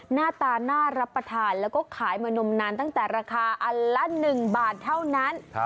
หน้าตาน่ารับประทานแล้วก็ขายมานมนานตั้งแต่ราคาอันละ๑บาทเท่านั้น